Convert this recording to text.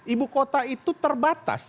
ibu kota itu terbatas